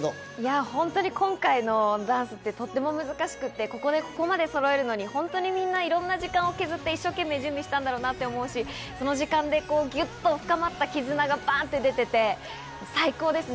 ホントに今回のダンスってとっても難しくてここまでそろえるのにホントにみんないろんな時間を削って一生懸命準備したんだろうなって思うしその時間でギュっと深まった絆がバンって出てて最高ですね